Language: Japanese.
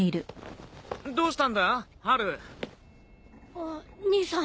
あっ兄さん。